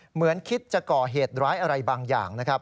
เหมือนคิดจะก่อเหตุร้ายอะไรบางอย่างนะครับ